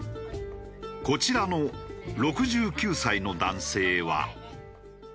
こちらの６９歳の男性は。